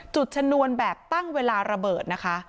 ชนวนแบบตั้งเวลาระเบิดนะคะ